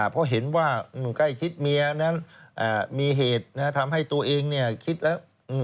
เพราะเห็นว่าใกล้ชิดเมียนั้นมีเหตุทำให้ตัวเองคิดแล้ว